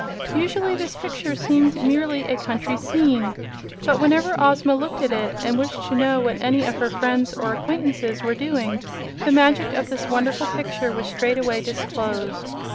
Usually this picture seemed merely a country scene, but whenever Ozma looked at it and wished to know what any of her friends or acquaintances were doing, the magic of this wonderful picture was straightway disclosed.